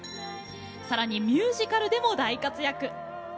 さらにミュージカルでも大活躍。